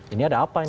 ini ada apa ini